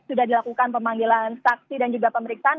sudah dilakukan pemeriksaan saksi dan pemeriksaan